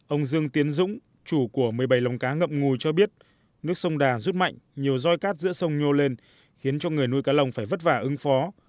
ông dương tiến dũng chủ của một mươi bảy lồng cá ngậm ngùi cho biết nước sông đà rút mạnh nhiều roi cát giữa sông nhô lên khiến cho người nuôi cá lồng phải vất vả ứng phó